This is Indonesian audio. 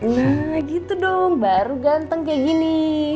wah gitu dong baru ganteng kayak gini